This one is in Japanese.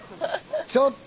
ちょっと！